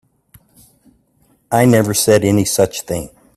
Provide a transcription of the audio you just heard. I never said any such thing.